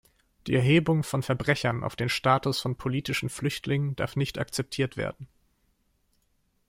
Die Erhebung von Verbrechern auf den Status von politischen Flüchtlingen darf nicht akzeptiert werden.